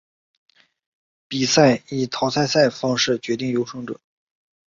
比赛以淘汰赛方式决定优胜者。